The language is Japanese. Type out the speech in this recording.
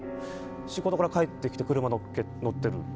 仕事から帰ってきて車に乗ってる。